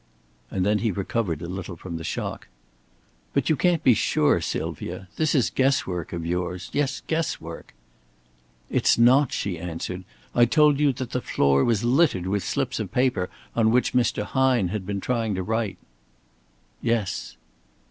And then he recovered a little from the shock. "But you can't be sure, Sylvia! This is guesswork of yours yes, guesswork." "It's not," she answered. "I told you that the floor was littered with slips of the paper on which Mr. Hine had been trying to write." "Yes."